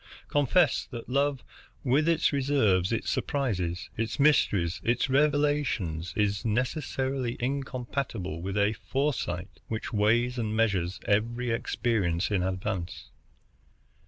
Confess that love, with its reserves, its surprises, its mysteries, its revelations, is necessarily incompatible with a foresight which weighs and measures every experience in advance."